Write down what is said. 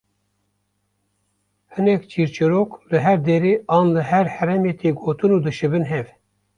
Hinek çîrçîrok li her derê an li her heremê tê gotin û dişibin hev